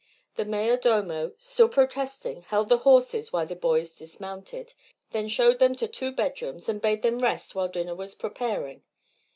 The mayor domo, still protesting, held the horses while the boys dismounted, then showed them to two bedrooms and bade them rest while dinner was preparing.